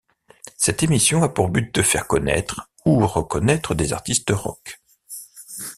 Cette émission a pour but de faire connaître ou reconnaître des artistes rock.